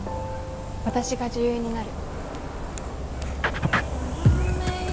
私が女優になる。